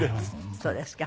そうですか。